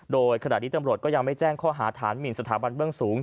โดยขณะนี้ตำรวจก็ยังไม่แจ้งข้อหาฐานหมินสถาบันเบื้องสูง